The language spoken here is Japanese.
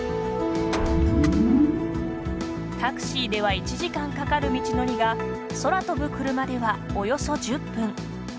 タクシーでは１時間かかる道のりが空飛ぶクルマではおよそ１０分。